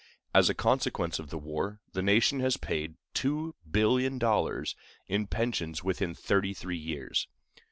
As a consequence of the war, the nation has paid $2,000,000,000 in pensions within thirty three years.